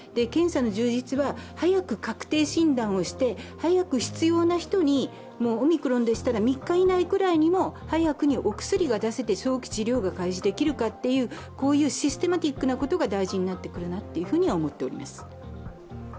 検査の充実は早く確定診断をして、早く必要な人にオミクロンでしたら３日以内くらいにも早くにお薬が出せて早期治療が開始できるかというこういうシステマティックなことが大事になってくると思っています。